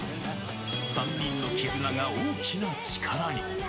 ３人の絆が大きな力に。